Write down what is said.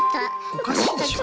おかしいでしょ。